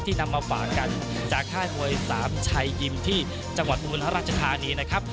นำมาฝากกันจากค่ายมวยสามชัยยิมที่จังหวัดอุบลราชธานีนะครับ